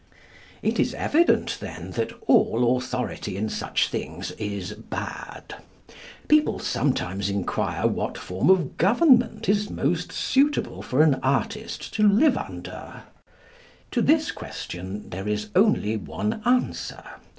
It is evident, then, that all authority in such things is bad. People sometimes inquire what form of government is most suitable for an artist to live under. To this question there is only one answer.